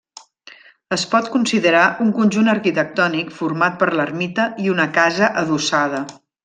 Es pot considerar un conjunt arquitectònic format per l'ermita i una casa adossada.